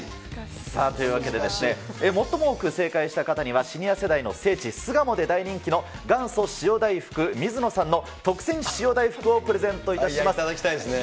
さあ、というわけで、最も多く正解した方には、シニア世代の聖地、巣鴨で大人気の元祖塩大福みずのさんの特選塩大福をプレゼントい頂きたいですね。